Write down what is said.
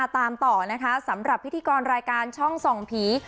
ตามต่อนะคะสำหรับพิธีกรรายการช่องส่องผี